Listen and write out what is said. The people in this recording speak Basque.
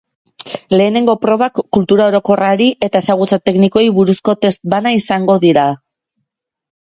Lehenengo probak kultura orokorrari eta ezagutza teknikoei buruzko test bana izango dira.